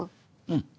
うん。